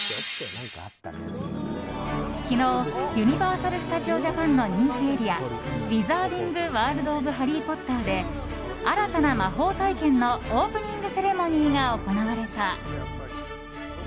昨日、ユニバーサル・スタジオ・ジャパンの人気エリアウィザーディング・ワールド・オブ・ハリー・ポッターで新たな魔法体験のオープニングセレモニーが行われた。